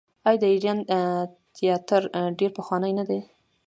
آیا د ایران تیاتر ډیر پخوانی نه دی؟